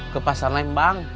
ke pasar lembang